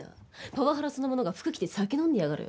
パワハラそのものが服着て酒飲んでやがる。